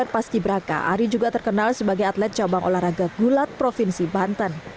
paski braka ari juga terkenal sebagai atlet cabang olahraga gulat provinsi banten